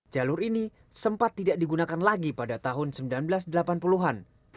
jalur ini sempat tidak digunakan lagi pada tahun seribu sembilan ratus delapan puluh an